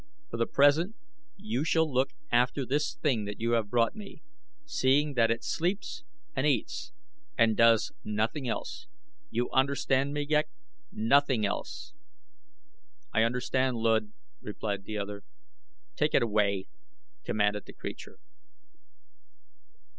For the present you shall look after this thing that you have brought me, seeing that it sleeps and eats and does nothing else. You understand me, Ghek; nothing else!" "I understand, Luud," replied the other. "Take it away!" commanded the creature.